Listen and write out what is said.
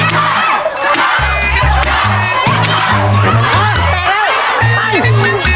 ไปไป